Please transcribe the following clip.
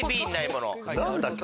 何だっけ？